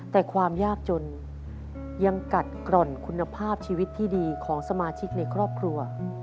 แต่ความยากจนยังกัดกร่อนคุณภาพชีวิตที่ดีของสมาชิกในครอบครัว